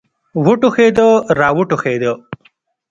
وټوخېده را وټوخېده.